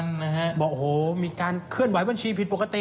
นะฮะบอกโอ้โหมีการเคลื่อนไหวบัญชีผิดปกติ